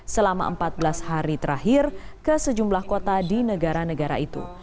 selama empat belas hari terakhir ke sejumlah kota di negara negara itu